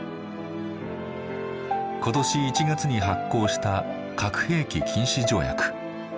今年１月に発効した核兵器禁止条約。